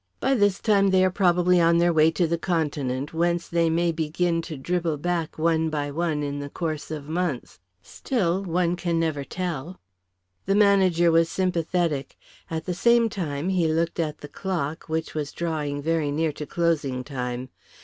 "By this time they are probably on their way to the Continent, whence they may begin to dribble back one by one in the course of months. Still, one never can tell." The manager was sympathetic; at the same time he looked at the clock, which was drawing very near to closing time.